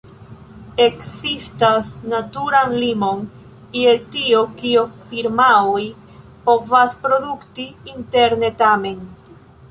Ekzistas naturan limon je tio kio firmaoj povas produkti interne, tamen.